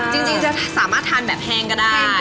จริงจะสามารถทานแบบแห้งก็ได้